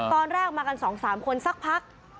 ตอนแรกมากันสองสามคนสักพัก